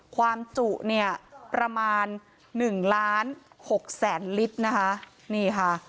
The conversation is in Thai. ความจุเนี่ยประมาณหนึ่งล้านหกแสนลิตรนะคะนี่ค่ะ